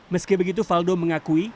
meski begitu faldo mengakui